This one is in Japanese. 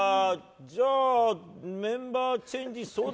じゃあ、メンバーチェンジ。